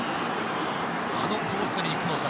あのコースに行くのかと。